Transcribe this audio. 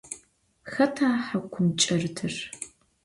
Xeta hakum ç'erıtır?